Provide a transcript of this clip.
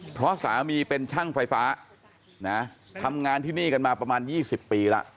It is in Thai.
เพราะสามีเป็นช่างไฟฟ้านะทำงานที่นี่กันมาประมาณ๒๐ปีแล้ว